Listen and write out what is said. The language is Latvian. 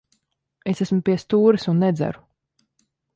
Es esmu pie stūres un nedzeru.